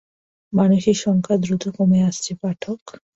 মানুষের সংখ্যা দ্রুত কমে আসছে পাঠক।